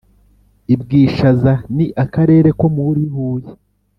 i bwishaza: ni akarere ko muri huye